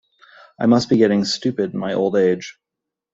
I must be getting stupid in my old age.